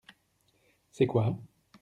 C’est quoi ?